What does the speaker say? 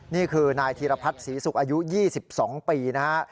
นี่คือนายธีรพัฒน์ศรีศุกร์อายุ๒๒ปีนะฮะ